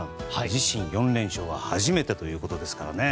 自身４連勝は初めてということですからね。